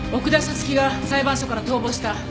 月が裁判所から逃亡した。